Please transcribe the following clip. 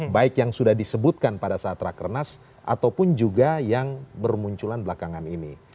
baik yang sudah disebutkan pada saat rakernas ataupun juga yang bermunculan belakangan ini